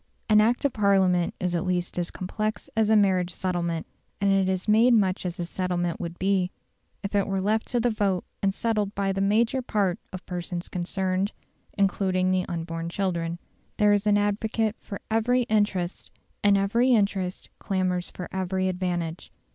An Act of Parliament is at least as complex as a marriage settlement; and it is made much as a settlement would be if it were left to the vote and settled by the major part of persons concerned, including the unborn children. There is an advocate for every interest, and every interest clamours for every advantage.